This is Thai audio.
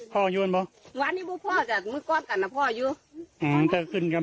พ่ออยู่หรือเปล่า